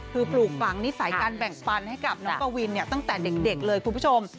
คือปลูกฝังนิสัยการแบ่งปันให้กับน้องกวินตั้งแต่เด็กเลยคุณผู้ชม